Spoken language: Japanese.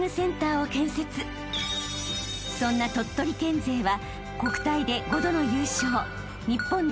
［そんな鳥取県勢は］